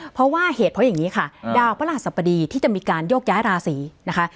เพราะว่าเหตุเพราะอย่างนี้ค่ะดาวพระราชสัปดีที่จะมีการโยกย้ายราศีนะคะ